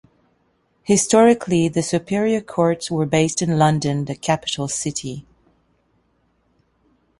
Historically, the superior courts were based in London, the capital city.